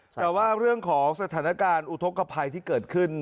แต่ว่าเรื่องของสถานการณ์อุทธกภัยที่เกิดขึ้น